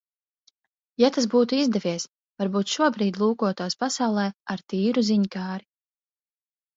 Ja tas būtu izdevies, varbūt šobrīd lūkotos pasaulē ar tīru ziņkāri.